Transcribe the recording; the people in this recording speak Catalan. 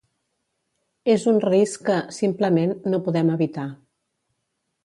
És un risc que, simplement, no podem evitar.